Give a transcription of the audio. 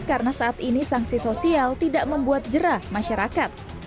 karena saat ini sanksi sosial tidak membuat jerah masyarakat